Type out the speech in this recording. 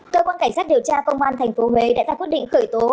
cơ quan cảnh sát điều tra công an tp huế đã ra quyết định khởi tố